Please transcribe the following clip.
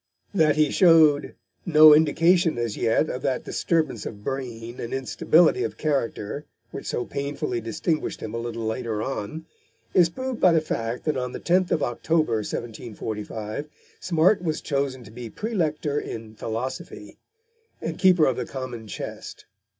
That he showed no indication as yet of that disturbance of brain and instability of character which so painfully distinguished him a little later on, is proved by the fact that on the 10th of October 1745, Smart was chosen to be Praelector in Philosophy, and Keeper of the Common Chest.